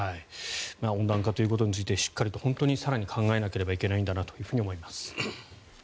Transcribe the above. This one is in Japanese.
温暖化ということについてしっかりと更に考えないといけないんだなと思います。